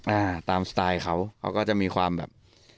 อ่าตามสไตล์เขาเขาก็จะมีความแบบ